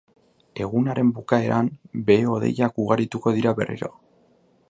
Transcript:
Egunaren bukaeran behe-hodeiak ugarituko dira berriro.